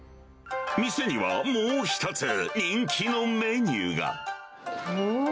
店にはもう一つ、人気のメニューが。